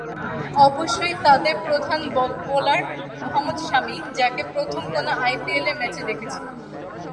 অবশ্যই তাদের প্রধান বোলার মোহাম্মদ শামি, যাকে প্রথম কোনো আইপিএলের ম্যাচে দেখেছিলাম।